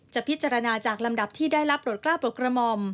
จะพิจารณาจากลำดับที่ได้รับรถกล้าปกรมอม